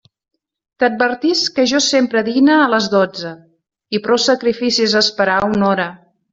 T'advertisc que jo sempre dine a les dotze, i prou sacrifici és esperar una hora.